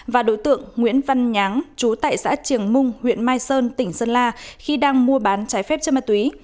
và đối tượng nguyễn văn nháng chú tại xã trường mung huyện mai sơn tỉnh sơn la khi đang mua bán trái phép chất ma túy